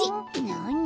なに？